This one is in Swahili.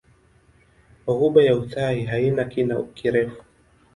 Ghuba ya Uthai haina kina kirefu.